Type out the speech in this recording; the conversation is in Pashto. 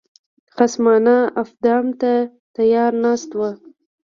خصمانه افدام ته تیار ناست وو.